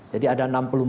jadi ada enam puluh empat